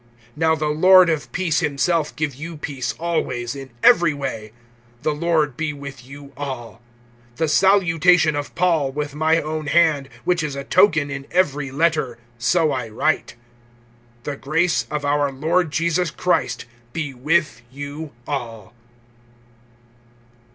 (16)Now the Lord of peace himself give you peace always, in every way. The Lord be with you all. (17)The salutation of Paul with my own hand, which is a token in every letter; so I write. (18)The grace of our Lord Jesus Christ be with you all.